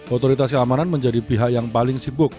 otoritas keamanan menjadi pihak yang paling sibuk